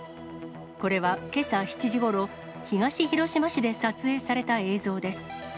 これはけさ７時ごろ、東広島市で撮影された映像です。